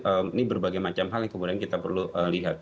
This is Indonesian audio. ada banyak macam hal yang kemudian kita perlu lihat